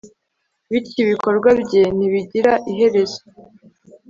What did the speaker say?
bityo ibikorwa bye ntibigira iherezo